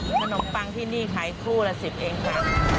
ขนมปังที่นี่ขายคู่ละ๑๐เองค่ะ